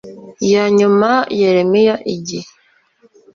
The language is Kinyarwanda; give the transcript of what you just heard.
ya nyuma Yeremiya igi